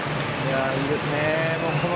いいですね。